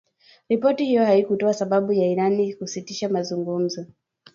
Ripoti hiyo haikutoa sababu ya Iran kusitisha mazungumzo